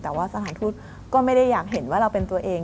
แต่ว่าสถานทูตก็ไม่ได้อยากเห็นว่าเราเป็นตัวเอง